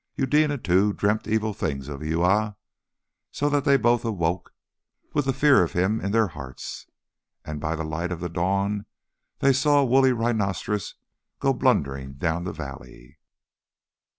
Eudena, too, dreamt evil things of Uya, so that they both awoke with the fear of him in their hearts, and by the light of the dawn they saw a woolly rhinoceros go blundering down the valley.